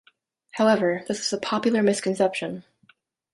However, this is a popular misconception.